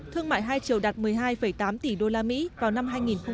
thương mại hai triệu đạt một mươi hai tám tỷ usd vào năm hai nghìn hai mươi